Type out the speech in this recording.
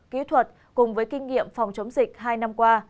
kỹ thuật cùng với kinh nghiệm phòng chống dịch hai năm qua